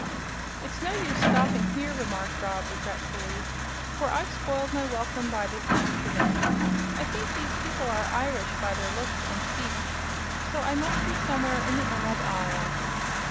"It's no use stopping here," remarked Rob, regretfully, "for I've spoiled my welcome by this accident. I think these people are Irish, by their looks and speech, so I must be somewhere in the Emerald Isle."